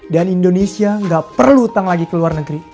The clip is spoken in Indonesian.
dan indonesia gak perlu utang lagi ke luar negeri